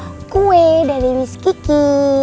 kue kue yang jadi gaya dari miss kiki